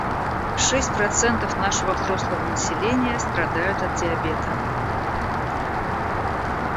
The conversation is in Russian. Шесть процентов нашего взрослого населения страдают от диабета.